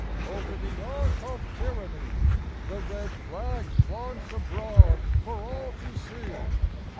Over the Ark of Tyranny The red flag flaunts abroad for all to see!